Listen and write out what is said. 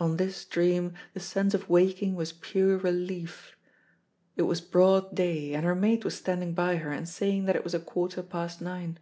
On this dream the sense of waking was pure relief; it was broad day, and her maid was standing by her and saying that it was a quarter past nine.